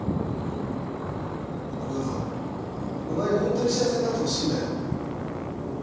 俺はさお前にホントに幸せになってほしいんだよ。